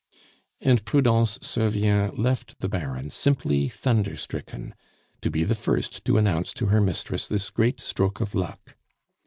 And Prudence Servien left the Baron simply thunder stricken, to be the first to announce to her mistress this great stroke of luck.